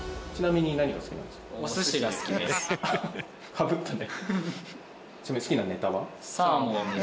かぶったね。